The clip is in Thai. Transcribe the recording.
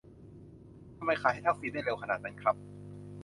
ทำไมขายให้ทักษิณได้เร็วขนาดนี้ครับ